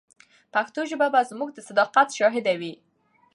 پښتو ژبه به زموږ د صداقت شاهده وي.